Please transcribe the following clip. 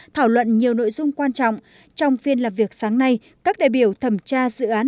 thảo luận nhiều nội dung quan trọng trong phiên làm việc sáng nay các đại biểu thẩm tra dự án